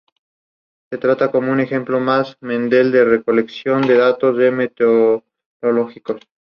Al poco tiempo ascendió a jefe del departamento de "Estudio del Magnetismo Terrestre".